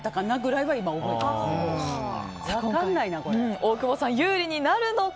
大久保さん有利になるのか。